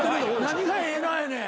何が「ええな」やねん。